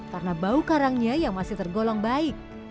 karena bau karangnya yang masih tergolong baik